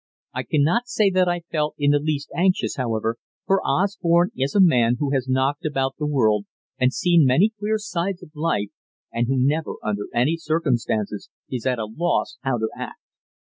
I cannot say that I felt in the least anxious, however, for Osborne is a man who has knocked about the world and seen many queer sides of life, and who never, under any circumstances, is at a loss how to act.